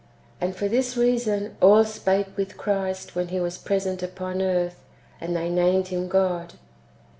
And for this reason all spake with Christ when He was present [upon earth], and they named Him God.